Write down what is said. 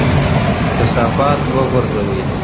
کثافات مه غورځوئ.